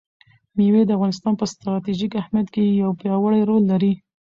مېوې د افغانستان په ستراتیژیک اهمیت کې یو پیاوړی رول لري.